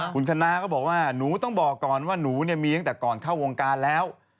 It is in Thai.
คุณคณะก็บอกว่าหนูต้องบอกก่อนว่าหนูมีตั้งแต่ก่อนเข้าวงการแล้ว